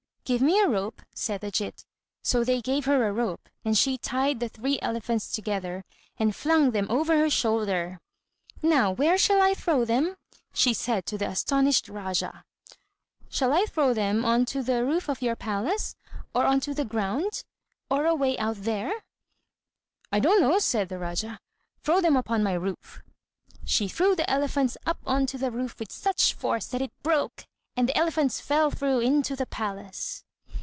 "Give me a rope," said Ajít. So they gave her a rope, and she tied the three elephants together, and flung them over her shoulder. "Now, where shall I throw them?" she said to the astonished Rájá. "Shall I throw them on to the roof of your palace? or on to the ground? or away out there?" "I don't know," said the Rájá. "Throw them upon my roof." She threw the elephants up on to the roof with such force that it broke, and the elephants fell through into the palace.